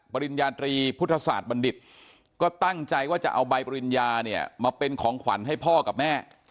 ปริญญาตรีพุทธศาสตร์บัณฑิตก็ตั้งใจว่าจะเอาใบปริญญาเนี่ยมาเป็นของขวัญให้พ่อกับแม่